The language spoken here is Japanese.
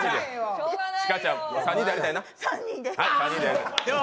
智加ちゃんと３人でやりたいな？